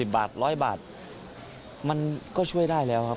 บาท๑๐๐บาทมันก็ช่วยได้แล้วครับ